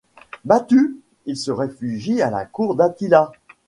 Battu, il se réfugie à la cour d’Attila.